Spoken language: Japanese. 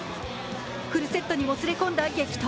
フルセットにもつれ込んだ激闘。